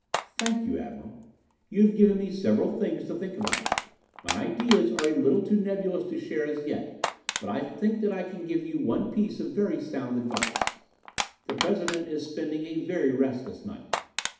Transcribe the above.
"Thank you, Admiral. You have given me several things to think about. My ideas are a little too nebulous to share as yet but I think that I can give you one piece of very sound advice. The President is spending a very restless night.